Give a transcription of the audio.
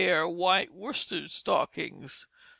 White Worsted Stockings.